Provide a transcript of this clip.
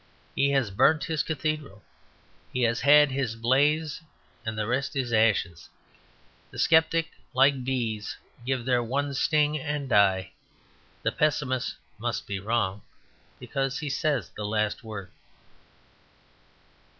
He has burnt his cathedral; he has had his blaze and the rest is ashes. The sceptics, like bees, give their one sting and die. The pessimist must be wrong, because he says the last word.